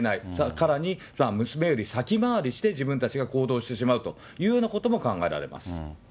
さらに娘より先回りして自分たちが行動してしまうというようなことも考えられます。